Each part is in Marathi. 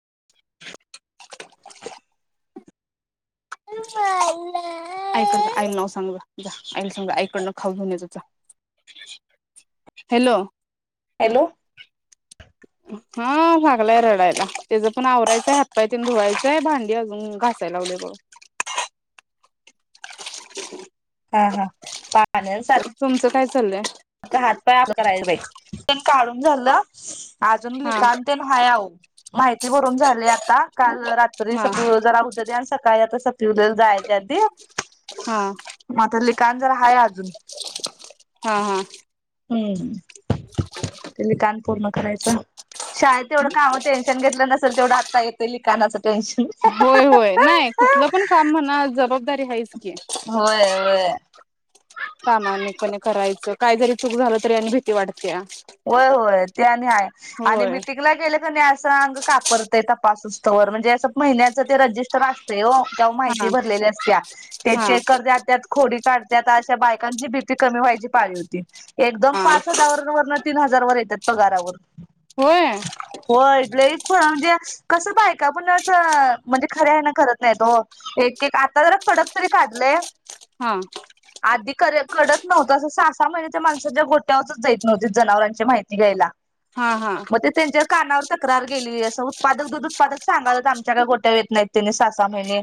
[unintelligible] [unintelligible] आईकड जा आईला नाव सांग जा जा आईला सांग जा आईकडनं खाऊ घेऊन ये जा जा हॅलो. हॅलो हा लागलाय रडायला तेज पण आवरायचंय हातपायतीन धुवायचंय भांडी अजून घासाय लावले बघा [inaudible] हा हा पा तुमचं काय चाललंय. आता हात पाय आपल करायला पाईज पण काढून झालं. अजून हा लिखाण तेन हाय आहे माहिती भरून झाली आता काल रात्री हा सगळं जरा उद्या दयान सक काय आता सात्विदय जायच्या आधी हा माझ लिखाण जर हाय अजून हा हा हुं तेली कान पूर्ण करायचा शाळेत एवढं कामाचं टेन्शन घेतलं नस सल तेवढं आता येतय लिखाणाच होय होय नाय कुठलं पण काम म्हणा जबाब- दारी हायेच की होय होय प्रमाणीक पणे करायच काय जरी चूक झालं तरी आण भीती वाड होय, होय. ते आणि हाय आणि होय मिटिंगला गेलं की नाही असं कापरत - ते तपासोसतवर. म्हणजे असं महिन्याचं ते रजिस्टर असतय ओ. हा माहिती भरलेली असतीया ते हा चेक करत त्याच खोडी काढतात अशा बायका कंची भिती कमी व्हायची पाळी होती. एकदम हा पाच हजारवरनं हजारवर येत्यात पगारावर. होय होय लईच हो म्हणजे कसं बायका पण असं म्हणजे खरे आहे ना करत नाही ओ. एक एक आता जरा कडक तरी काढलंय. हा आधी कर- कडत नव्हता असं सास सहा महिन्याच्या माणसाच्या गोट्यावरचचं जायत नव्हते. जनावरांची माहिती घ्यायला. हा हा मग ते त्यांच्या कानावर तक्रार गेली. असं उत्पादक, दूध उत्पादक सांगाय आमच्या कडे गोठ्यात येत नाहीत. त्यांनी सहा सहा महिने.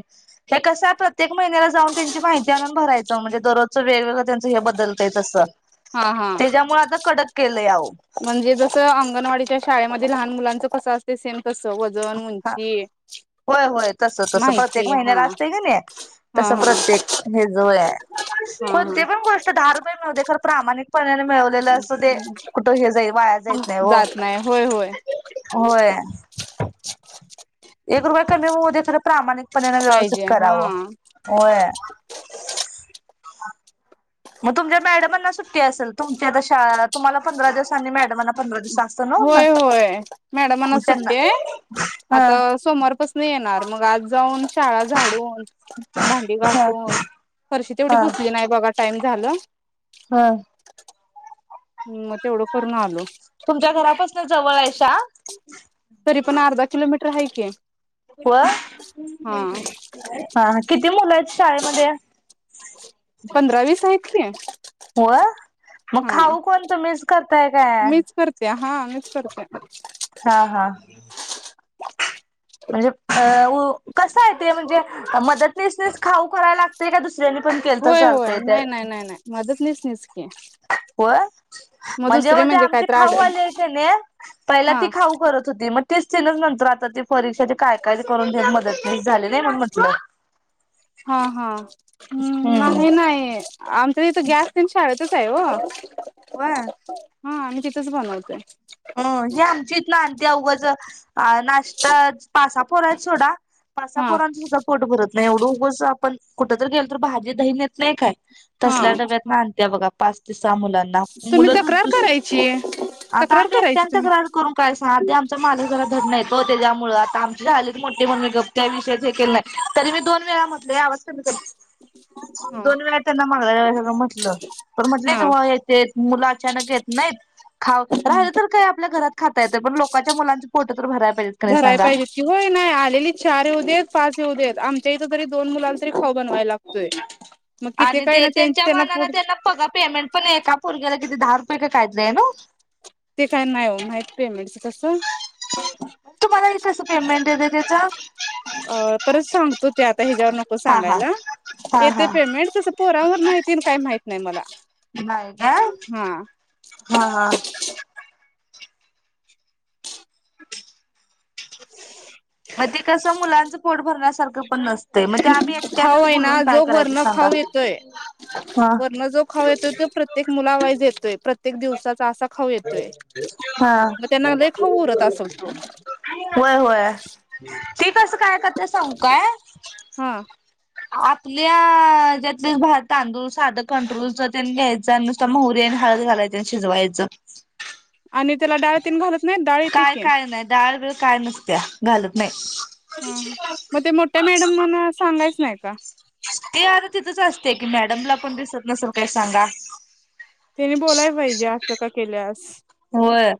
हे कसं प्रत्येक महिन्याला जाऊन त्यांची माहिती आणून भरायचं, म्हणजे दररोजचं वेगवेगळं त्यांचं हे बदलतय तसं. हा हा त्याच्यामुळे आता कडक केलयं अवो. म्हणजे जसं अंगणवाडीच्या शाळेमध्ये लहान मुलांचं कसं असत सेम तसं वजन हं उंची होय होय तसं तसं, प्रत्येक माहिती हा महिन्याला असते की नाय? हा तसं हा प्रत्येक हे जवळ हाय. हा कोणती पण गोष्ट दहा रुपयाला लावू देत तर प्रामाणिक पणाने मिळवलेलं असतं ते, कुठं हे जाई, वाया हा जायतं नाही हो. जात नाही होय होय होय. [inaudible] एक रुपया कमी होऊ दे, तरी प्रामाणिक पण नां व्यवस्थित पाहिजे हा करावं, होय. [inaudible] म तुमच्या मॅडम ना सू टी असलं? तुमच्या आता शाळात असतं ना मग. होय होय, मॅडमना मग त्यांना सुट्टी हाय. हा आता सोमवारपासनं येणार. मग आज जाऊन शाळा झाडून, भांडी हा घासून, फरशी तेवढी हा पुसली नाही बघा. टाइम झालं हा हं, मग तेवढं करून आलो. तुमच्या घरापासन जवळ आहे शाळा? रहाय की, वं, हा हां, किती मुलं आहेत शाळेमध्ये? पंधरा, वीस आहेत की. व मग हां खाऊ कोण तुम्हीच करताय काय मीच करते, हां मीच करते. हा हा म्हणजे अ ऊ कसं आहेे ते? म्हणजे मदतनीसनेच खाऊ कराय लागतंय काय दुस होय होय, नाही नाही नाही नाही. मदतनीसनीच ते. होय? म्हणजे मग ते आमचे आड खाऊ आले का नाही, पहिला हा ती खाऊ करत होती. मग तेच तेनच नंतर आता ते परीक्षेची काय काय ते करून घेत मदत हा हा. हम्म. नाही नाही, आमच्या इथं गॅस तेन शाळे तच आहे हो. होय. हा आम्ही तिथंच बनवायचं हाय. अं ही आमची इथनं आणत्या उगच अ नाष्टाच पाच, सहा पोरं आहेत सोडा, पाच, सहा हा पोरांचंसुद्धा पोट भरत नाही. नाही एवढं उगच आपण कुठंतरी गेलो तर भाजी दही नेत नाही काय? हा तसल्या डब्यातनं आणत्या बघा. पाच ते स तुम्ही तक्रार करायची, आता तक्रार आम्ही करायची एकट्यान तुम्ही तक्रार करून काय सांगा, त्यो आमचा मालक ज रा धड नाहीत हो त्याज्यामुळं. आता आमची झालीत मोठी म्हणून मी गप काय विषयच हे केला नाही. तरी मी दोन वेळा म्हणलोय आओ हा दोन वेळा त्यांना मग हा हेनं म्हटलं, तर म्हटलीत हा म ये तेत मुलं अचानक येत नाहीत. खाऊ, राहिलं तर तर आपल्या घरात खाता येतंय, पण लोकांच्या मुलांचे पोटत भराय पाहिजेत की. होय न्हाय आलेली चार येऊदेत, पाच येऊदेत. आमच्या इथं तरी दोन मुलाला तरी खाऊ बनवाय लागतोय. मग किती आणि काय ते ना त्यांच्या त्यांना पोट मानानं त्यांना बघा, पेमेंट पण एका पोरग्याला तिथं दहा रुपये का कायतरी हाय नव्ह? ते काय नाही माहित पेमेंटचं कसं. तुम्हाला कसं पेमेंट येतं त्याचं अ परत सांगतो त्यात आता ह्याच्यावर नको हा हा सांगायला. हा येतंय हा पेमेंट, तसं पोरांवर नाही तेन काय माहित नाही मला. नाही काय, हा हा हा. मग ते कसं मुलांचं पोट भरण्यास सारखं पण नसतंय ते आम्ही एकट्याने खाऊ आहे बोलून ना काय जो करायचं वर्ण सांगा. खाऊ येतोय वर्ण जो खाऊ येतोय तो प्रत्येक मुला वाईज येतोय प्रत्येक दिवसाचा असा खाऊ येतोय [unintelligible] हां मग त्यांना लय खाऊ उरत असेल तो [unintelligible] होय होय. तसं काय करत्या सांगु काय हा आपल्या त्यातलच भा तांदूळ साधं कंट्रोलच तेन घ्यायचं आणि नुसता मोहरी आणि हळद घालायचं त्यात शिजवायच. आणि त्याला डाळ तेन घालत नाहीत? काय काय नाही, डाळ बीळ काय नसत्या घालत नाही. ह म ते मोठ्या मॅडमांना सांगायच नाही का? तिथच असते की मॅडमला पण दिसत नसेल काय सांगा? त्यानी बोलायला पाहिजे असं का केल्यास? होय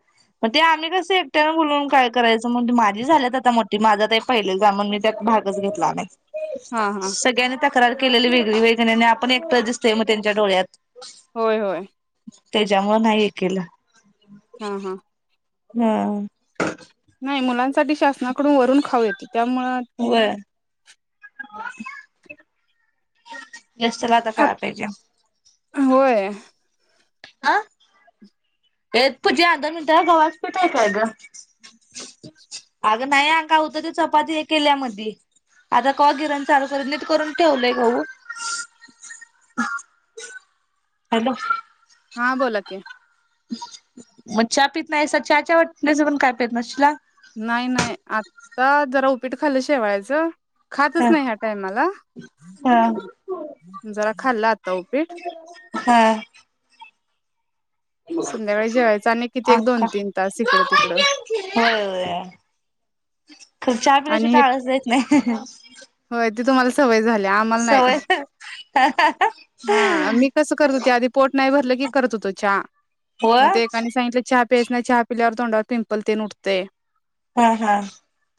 मग ते आम्ही कस एकट्यान बोलउन काय करायचं? त म्हटलं माझी झाल्यात आता मोठी. ते माझ ते पहिले जा म्हन मी त्यात भागच घेतला नाही. हा हा सगळ्यांनी त्यात करार केलेली वेगळी वेगळयनी आणि आप पण एकटच दिसतंय मग त्यांच्या डोळ्यात होय होय. त्याच्यामुळ नाही हे केलं [inaudible] हां हां हहा नाही मुलांसाठी शासनाकडून वरून खाऊ येत त्यामुळ [inaudible] ज्याच त्याला आता कळायला पाहिजे? होय अ ये पुजा अधन गव्हाच पीठ हाय काय ग [unintelligible] अग नाही आक्का होत ते चपाती हे केल्या मधी ती आता कवा गिरण चालू करल नीट करून ठेवलंय गहू. हॅलो हां बोला की मग चहा पित नाहीसा चहाच्या वाटणीचं पण काय पीत नसचीला? नाही नाही आता जरा उपीट खाल्लं शेवायचं. खातच ह नाही ह्या टाइमाला ह जरा खाल्ला आता उपीट ह संध्याकाळी जेवायचं आणि किती एक दोन अंका तीन तास इकडं [unintelligible] तिकडं होय होय [inaudible] खर चहा पिल्या आणि शिवाय आळसच जाइत नाही हह हह ते तुम्हाला सवय झाल्या आम्हाला नाही हां मी कस करत होते आधी पोट नाही भरल की करत होतो चहा होय मग एका सांगितल चहा पि पेस नाही चहा पिल्यावर तोंडावर पिंपल तेन उठतय हा हा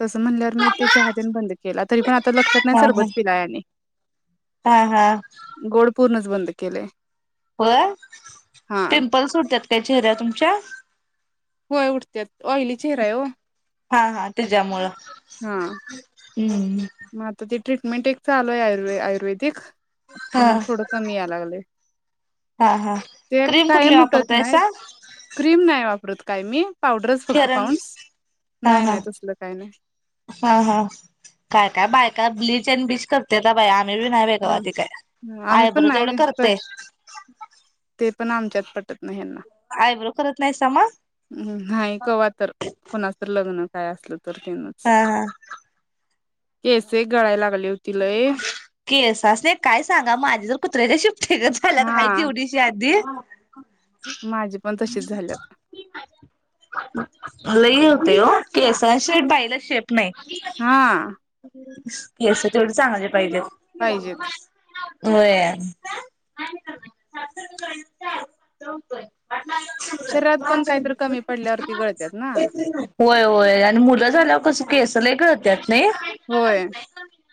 तसं म्हणल्यार मी त्याच्या हातीने बंद केला तरी पण आता लक्षात नाही हा हा सरबत पिलाय आणि हा हा गोड पूर्णच बंद केलंय हो हा पिंपल्स सुडतात त्या चेर्‍याव तुमच्या होय उठतात ऑहिली चेहरा हाय ओ हा हा त्याच्यामुळं [inaudible] हम्म [unintelligible] ट्रीटमें एक चालूय आयुर्वे आयुर्वेदिक हा ह् थोडं कमी या लागलय हा हा ते क्रीम कुठली कायम उठत नाही वापरतायसा क्रीम नाही वाप मृत काय मी पावडरच फक्त फेरन पांडस हा नाही हा नाही तसल काही नाही हा हा काय काय बायका ब्लीच अँड ब्लीच करतात बाई आी नाही बेग ह त काय आहे आम्ही आय पण ब्रो तेवढं नाही करते कध ते पण आमच्यात पटत नाहीना आयब्रो करत नाहीसा मग नाही कवा्हा तर कोणाच तर लग्न काय असलत तर तेनच हा हा केसे गळायलाग केस सने काय सांगा माजी तर कुत्र्याच्या शिफ्टेगच झाल्यात हा आहे तेवढीशी आधी माझी पण तशीच झाली [unintelligible] नाही [unintelligible] तेवढी हा चांगली पाहिजे पाहिजेत ओ [unintelligible] होय शरीरात पण काहीतरी कमी पडल्यावरती गळत्यात ना होय, होय आणि मुलं झाल्यावर कस केस लय गळत्यात नाही. होय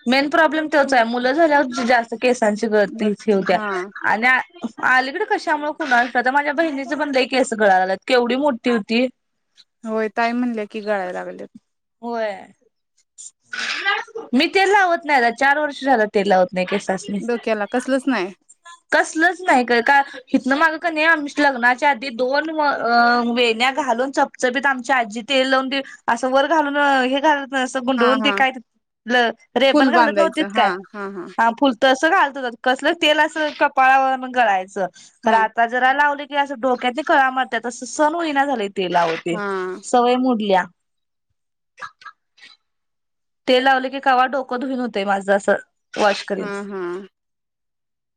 मेन प्रॉब्लेम तेच आहे मुलं झाल्यावर जास्त केसांची गळती गळते होतिया हा आणि आलीकडे कशामुळे कुणालत आता माझ्या बहिणीचं पण लई केस गळा आलात केवढी मोठी होती होय ताई म्हणले की गळायला लागलेत. होय [inaudible] मी तेल लावत नाही चार वर्ष झालं तेल लावत नाही डोक्याला कसलच नाही कसलच नाही काय का हितन माग का नाही आम लग्नाच्या आधी दोन व व वेण्या्या घालून चपचपित आमची आजी तेल लावून दे असं वर घालून हे घाल तसं हा गुंडळून हा काय रेबण फुल घालत नव्हतीत बांधायचं हा काय हा फुल तसं घालत कसलं तेल अस कपाळावर गळायचं ह तर हा आता जरा लावली की असं डोक्यातनी कळा मारतात असं सण होहिना झाले ते लावते, हा सवय मोडलिया. तेल लावले की कावा डोकं धुईन होते माझं असं वॉश हम्म करीन - हम्म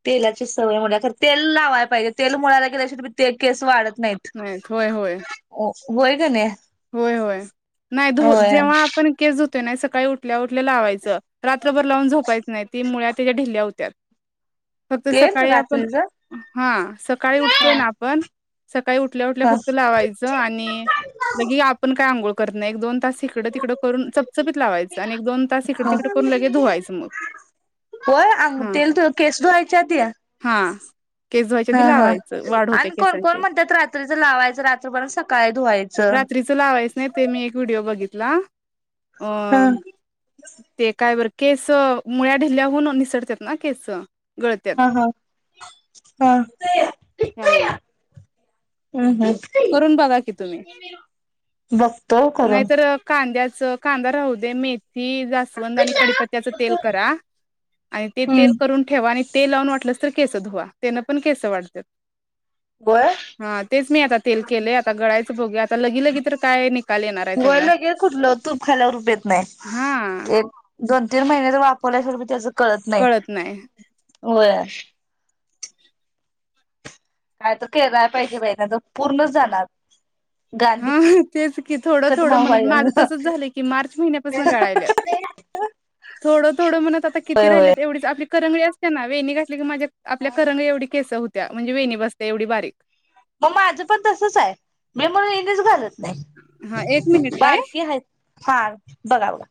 तेलाची सवय होण्याकर तेल लावाय पाहिजे तेल मुळाला गेल्याशिवाय केस वाढत नाहीत. होय होय होय का नाही. होय होय नाही धू होय जेव्हा आपण केस नाही सकाळी उठल्या उठल्या लावायचं रात्रभर लावून झोपायचं नाही ती मुळ्या त्याच्या ढिल्या होत्यात. फक्त तेल सकाळी आपण रात्रीच हा सकाळी उठतोय ना आपण सकाळी उठल्या उठल्या ह फक्त लावायचं आणि आपण काय आंघोळ करत एक दोन तास? हिकडं तिकडं करून चपचपित लावायचं आणि एक दोन तास हिकडं तिकड करून लगे धुवायचं मग होय अंग ह तेल केस धुवायच्या आधी हा. केस धुवायच्या हा आधी हा लावायचं वाढ होते आणि कोण कोण केसांची म्हणतात रात्रीचं लावायचं रात्रीपर्यंत सकाळी धुवायच. रात्रीचं लावायच नाही ते मी एक व्हिडिओ बघितला अ ह ते काय बर? केस अ मुळ्या ढिल्याहून निसटत्यातना केसअ हा हा हा. त्यामुळे हम् हम्. करून बघा की तुम्ही बघतो करून नाहीतर कांद्याच च कांदा राहू दे मेथ थी जास्वंद आणि कडीपत्त्याच तेल करा आणि ते हम्म तेल करून ठेवा आणि ते लावून वाटलंस तर केस धुवा तेन पण केस वाढत्यात. गोळ हा तेच मी आता ते तेल केलय आता गळाय तेच बघुया आता लगी लगी तर काय नि व्हय लगे कुठलं तूप खाल्यावर रुप येत हा नाही एक दोन तीन महिन्याच वापरल्याशिवर बी त्याचं कळत नाही. होय. काय तर केराय पाहिजे बाहि नाहीतर पूर्णच जाणार. हा गांधी तेच की थोडं कट थोडं म्हणत माझं व्हायला तसच झालं की, मार्च महिन्यापासून गळाल्यात थोडं थोड म्हणत आता किती होय होय राहिलेत एवढीच आपली करंगळी असतिया ना वेनि घातली की माज्या आपल्या करंगळी एवढी केस अ होतिया म्हणजे वेणी बसतिया एवढी बारीक मग माझं पण तसच हाय मी म्हणून इनिच घालत. हा एक नाही मिनिट ताई बारकी हाहेत हा बघा बघा.